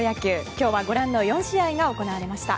今日はご覧の４試合が行われました。